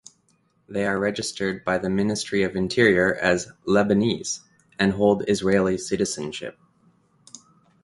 They are registered by the Ministry of Interior as "Lebanese" and hold Israeli citizenship.